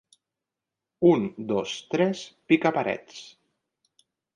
Un, dos, tres, pica parets